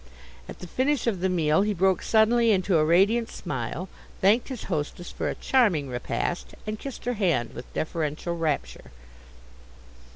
At the finish of the meal he broke suddenly into a radiant smile, thanked his hostess for a charming repast, and kissed her hand with deferential rapture.